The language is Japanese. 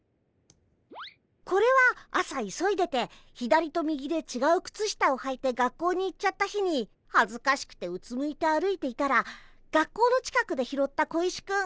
これは朝急いでて左と右でちがう靴下をはいて学校に行っちゃった日にはずかしくてうつむいて歩いていたら学校の近くで拾った小石くん。